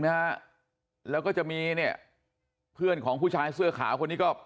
ไหมฮะแล้วก็จะมีเนี่ยเพื่อนของผู้ชายเสื้อขาวคนนี้ก็